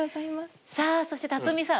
さあそして辰巳さん